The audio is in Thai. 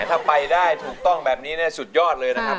ถ้าไปได้ถูกต้องแบบนี้สุดยอดเลยนะครับ